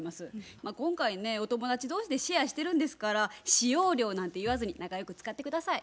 今回ねお友達同士でシェアしてるんですから使用料なんて言わずに仲良く使って下さい。